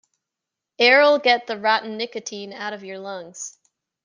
Air'll get the rotten nicotine out of your lungs.